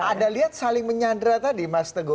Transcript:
anda lihat saling menyadara tadi mas tego